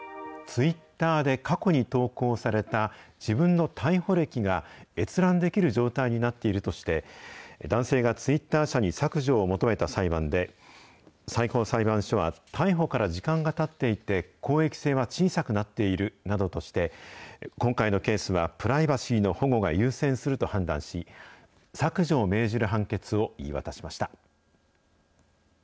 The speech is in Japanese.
ツイッターで過去に投稿された自分の逮捕歴が閲覧できる状態になっているとして、男性がツイッター社に削除を求めた裁判で、最高裁判所は逮捕から時間がたっていて、公益性は小さくなっているなどとして、今回のケースはプライバシーの保護が優先すると判断し、削除を命じる判決を言い渡しました。